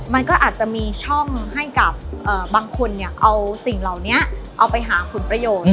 มันก็อาจจะมีช่องให้กับบางคนเอาสิ่งเหล่านี้เอาไปหาผลประโยชน์